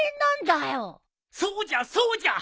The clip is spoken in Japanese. そうじゃそうじゃ！